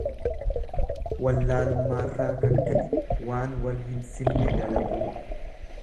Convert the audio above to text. Wallaalummaarraa kan ka'e waan wal hin simne dalaguu.